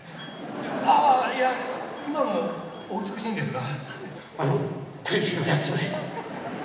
ああ、いや今もお美しいんですが。